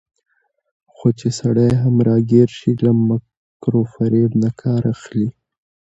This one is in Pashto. خو چې سړى هم راګېر شي، له مکر وفرېب نه کار اخلي